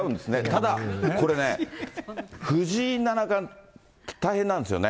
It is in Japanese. ただ、これね、藤井七冠、大変なんですよね。